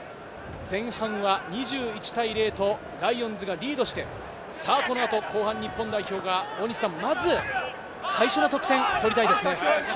前半は２１対０とライオンズがリードして、このあと後半、日本代表がまず最初の得点、取りたいですね。